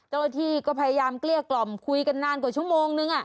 เจ้าหน้าที่ก็พยายามเกลี้ยกล่อมคุยกันนานกว่าชั่วโมงนึง